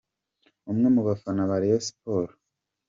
Umwe mu bafana ba Rayon Sports.